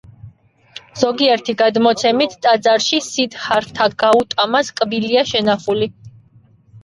ზოგიერთი გადმოცემით, ტაძარში სიდჰართა გაუტამას კბილია შენახული.